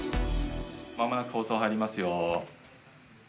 まもなく放送入りますよ。